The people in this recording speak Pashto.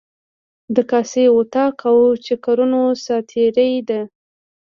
د کاسې، وطاق او چکرونو ساعتیري ده.